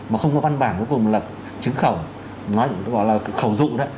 mà không có văn bản cuối cùng là chứng khẩu gọi là khẩu dụ đó